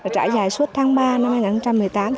trải dài suốt tháng ba năm hai nghìn một mươi tám